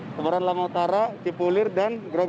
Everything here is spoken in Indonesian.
kebayoran lama utara cipulipa